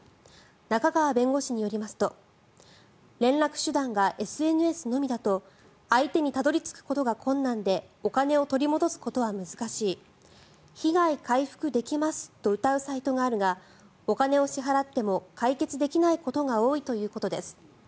中川弁護士によりますと連絡手段がＳＮＳのみだと相手にたどり着くことが困難でお金を取り戻すことは難しい被害回復できますとうたうサイトがあるがお金を支払っても解決できないことが多いということです。